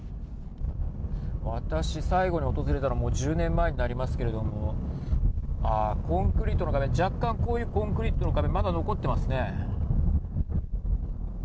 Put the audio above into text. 私、最後に訪れたのもう１０年前になりますけれどもコンクリートの壁若干、こういうコンクリートの壁まだ残っていますね。